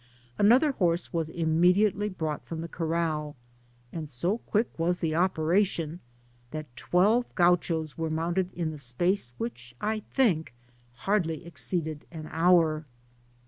Another horse was immediately brought from the corr&l, and so quick was the operation, that twelve 6au chos were mounted in a space which, I think ,t hardly exceeded an hour.